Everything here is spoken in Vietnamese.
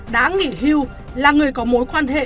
đã nghỉ hưu là người có mối quan hệ